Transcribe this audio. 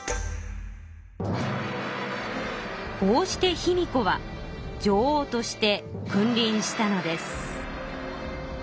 こうして卑弥呼は女王として君りんしたのです。